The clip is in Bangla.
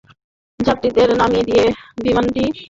যাত্রীদের নামিয়ে দিয়ে বিমানটি সোয়া আটটায় ঢাকায় রওনা করার কথা ছিল।